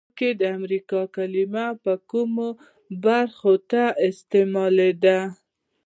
لومړیو کې د امریکا کلمه د کومې برخې ته استعمالیده؟